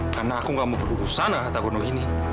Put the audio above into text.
karena aku gak mau berdugung sana takutnya begini